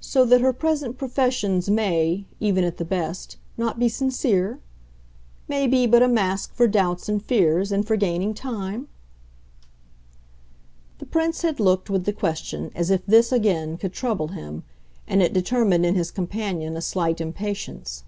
"So that her present professions may, even at the best, not be sincere? may be but a mask for doubts and fears, and for gaining time?" The Prince had looked, with the question, as if this, again, could trouble him, and it determined in his companion a slight impatience.